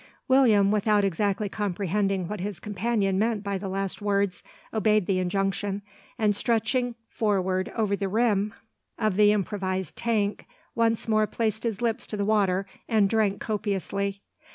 William, without exactly comprehending what his companion meant by the last words, obeyed the injunction; and stretching forward over the rim of the improvised tank, once more placed his lips to the water, and drank copiously.